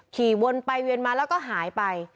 ขี่วนไปเวียนมาแล้วก็หายไป